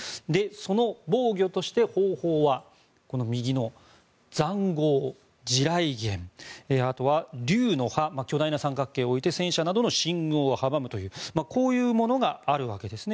その防御として方法は塹壕地雷原、あとは竜の歯巨大な三角形を置いて戦車などの進軍を阻むというこういうものがあるわけですね。